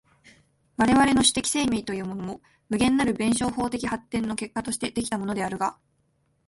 我々の種的生命というものも、無限なる弁証法的発展の結果として出来たものであるが、